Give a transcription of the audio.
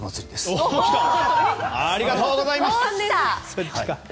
ありがとうございます！